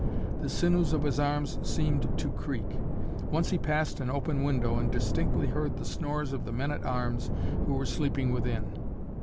The sinews of his arms seemed to creak. Once he passed an open window and distinctly heard the snores of the men at arms who were sleeping within.